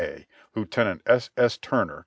A, Lieutenant S. S. Turner, Co.